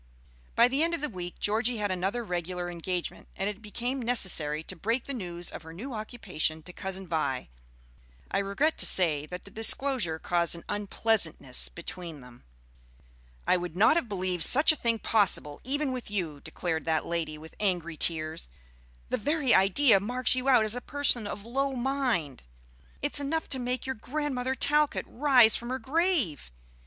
By the end of the week Georgie had another regular engagement, and it became necessary to break the news of her new occupation to Cousin Vi. I regret to say that the disclosure caused an "unpleasantness," between them. "I would not have believed such a thing possible even with you," declared that lady with angry tears. "The very idea marks you out as a person of low mind. It's enough to make your Grandmother Talcott rise from her grave!